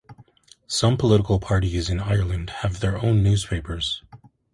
Some political parties in Ireland have their own newspapers.